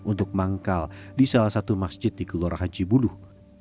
untuk manggal di salah satu masjid di keluarga cibuduh